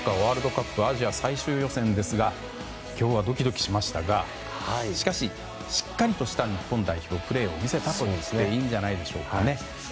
ワールドカップアジア最終予選ですが今日はドキドキしましたがしかし、しっかりとした日本代表のプレーを見せたといっていいんじゃないでしょうか。